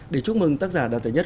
để chúc mừng tác giả đoạt giải nhất